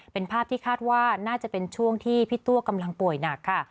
เป็นภาพที่คาดว่าน่าจะเป็นช่วงที่พี่ตัวกำลังป่วยหนักค่ะ